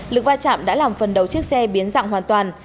lực vai trạm đã làm phần đầu chiếc xe biến dạng hoàn toàn